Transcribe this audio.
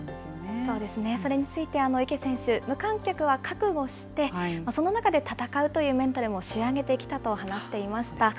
そうですね、それについて、池選手、無観客は覚悟して、その中で戦うというメンタルも仕上げてきたと話していました。